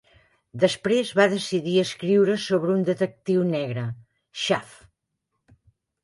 Després va decidir escriure sobre un detectiu negre, "Shaft".